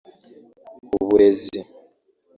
uburezi